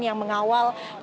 yang mengawal pengunjuk rasa